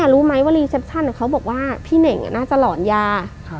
รู้ไหมว่ารีเซปชั่นเขาบอกว่าพี่เน่งน่าจะหลอนยา